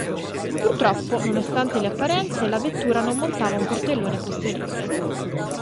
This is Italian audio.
Purtroppo, nonostante le apparenze, la vettura non montava un portellone posteriore.